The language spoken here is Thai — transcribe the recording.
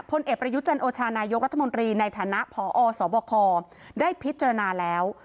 พลเอกประยุจันโอชานายกรัฐมนตรีในฐานะพอสบคได้พิจารณาแล้ว